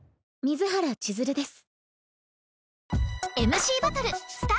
水原千鶴です。